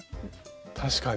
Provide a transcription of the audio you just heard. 確かに。